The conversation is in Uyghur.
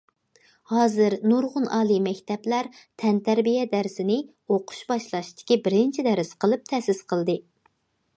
ھازىر نۇرغۇن ئالىي مەكتەپلەر تەنتەربىيە دەرسىنى« ئوقۇش باشلاشتىكى بىرىنچى دەرس» قىلىپ تەسىس قىلدى.